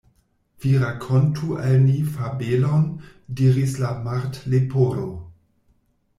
"Vi rakontu al ni fabelon," diris la Martleporo.